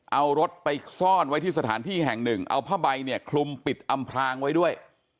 เอารถไปซ่อนไว้ที่สถานที่แห่งหนึ่งเอาผ้าใบเนี่ยคลุมปิดอำพลางไว้ด้วย